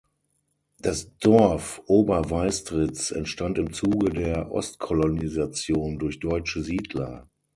Das Dorf Ober Weistritz entstand im Zuge der Ostkolonisation durch deutsche Siedler.